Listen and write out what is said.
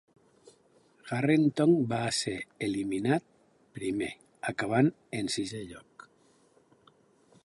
Harrington va ser eliminat primer, acabant en sisè lloc.